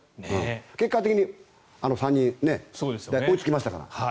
結果的に３人、追いつきましたから。